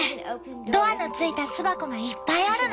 ドアのついた巣箱がいっぱいあるの。